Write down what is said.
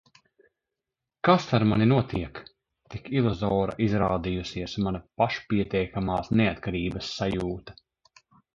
Kas ar mani notiek? Tik iluzora izrādījusies mana pašpietiekamās neatkarības sajūta.